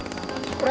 これ？